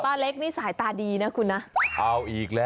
ป้าเล็กมีสายตาดีนะคุณนะ